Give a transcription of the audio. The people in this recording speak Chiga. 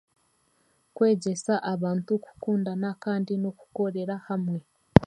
Kwegyesa abantu kukundana hamwe n'okukorera hamwe.